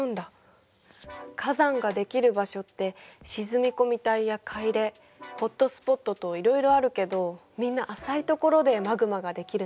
火山ができる場所って沈み込み帯や海嶺ホットスポットといろいろあるけどみんな浅いところでマグマができるのね。